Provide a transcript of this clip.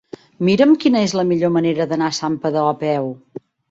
Mira'm quina és la millor manera d'anar a Santpedor a peu.